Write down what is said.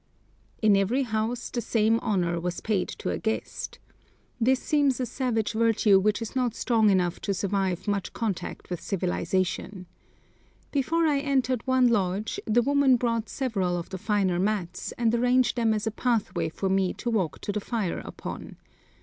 In every house the same honour was paid to a guest. This seems a savage virtue which is not strong enough to survive much contact with civilisation. Before I entered one lodge the woman brought several of the finer mats, and arranged them as a pathway for me to walk to the fire upon.